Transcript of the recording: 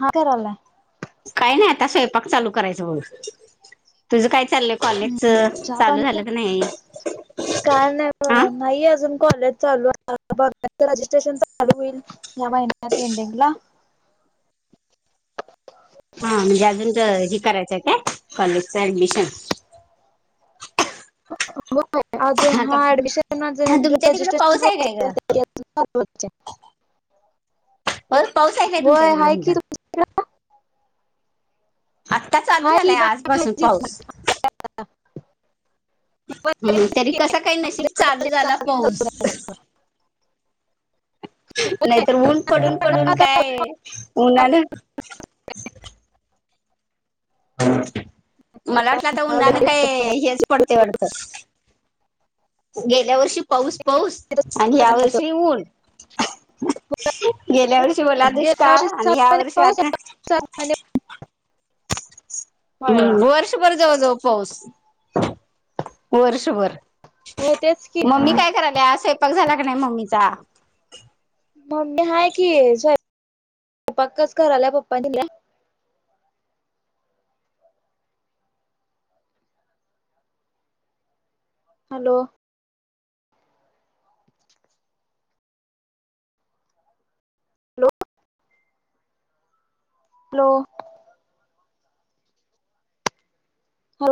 हा का [unintelligible] हा आता स्वयपाक चालू करायच बग, तुझ काय? चाललंय काॅलेज हम्म चहा चालू पाणी झालं का नाही? काय नाही आ. बघा नाही अजून कॉलेज चालू [unintelligible] रजिस्ट्रेशन चालू हुईल या महिन्यात एंडिंग ला. [inaudible] हा म्हणजे अजून त अ हे करायचं काय ते कॉलेजच ऍडमिशन. [inaudible] अजून आता हा ऍडमिशन [unintelligible] तुमच्या तिकडे पाऊस आहे काय ग [inaudible] होय पाऊस हाय काय तुमच्या होय तिकडं हाय की म्हणलं? [unintelligible] आत्ता चालू हाय की झालाय आज बाय पासून खायची पाऊस. हम्म तरी कस काय नशीब चालू झाला पाऊस. नाहीतर ऊन पडून पडून काय उन्हान मला वाटलं आता उन्हान काय हेच पडतय वाटत. गेल्या वर्षी पाऊस, पाऊस आणि या वर्षी ऊन. गेल्या वर्षी वला गेल्या वर्षी दुष्काळ का सात आणि या महिने वर्षी पाऊस आता सात महिने [unintelligible] पडला हम्म वर्षभर जवळ जवळ पाऊस. वर्षभर होय तेच की मम्मी काय कराल्या आज स्वयंपाक झाला का नाही मम्मीचा? मम्मी हाय कि सोय पाकच कराल्या [unintelligible] हॅलो. [unintelligible] लो हो.